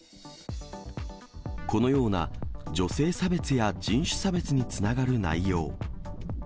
このような女性差別や人種差別につながる内容。